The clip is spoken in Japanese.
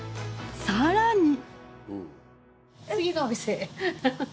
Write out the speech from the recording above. さらに。